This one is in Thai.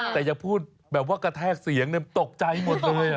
แต่อย่าพูดแบบว่ากระแทกเสียงตกใจหมดเลย